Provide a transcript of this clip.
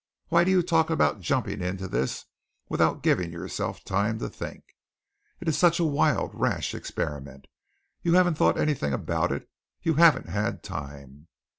Why do you talk about jumping into this without giving yourself time to think? It is such a wild, rash experiment. You haven't thought anything about it, you haven't had time."